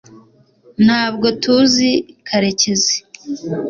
ntabwo tuzi karekezi